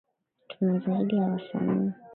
ee tuna zaidi ya wasanii